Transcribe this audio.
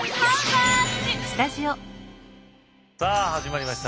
さあ始まりました。